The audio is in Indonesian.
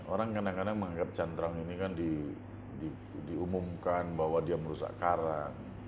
orang kadang kadang menganggap cantrang ini kan diumumkan bahwa dia merusak karang